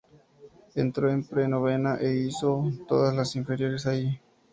Entró en pre-novena e hizo todas las Inferiores allí.